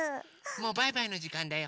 もうバイバイのじかんだよ。